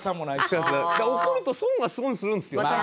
怒ると損は損するんですよ。